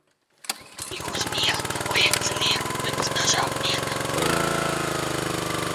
Jūs bijāt tam liecinieki pirms dažām dienām.